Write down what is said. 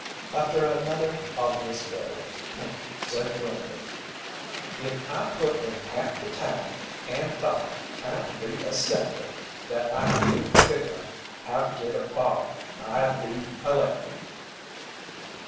After another obvious failure Pinkey said gloomily: "If I put in half the time and thought trying to be a Senator that I do figgerin' how to git a bottle, I'd be elected."